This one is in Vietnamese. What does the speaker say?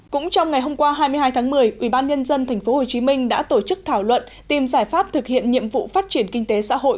cũng trong ngày hôm qua hai mươi hai tháng một mươi ubnd tp hcm đã tổ chức thảo luận tìm giải pháp thực hiện nhiệm vụ phát triển kinh tế xã hội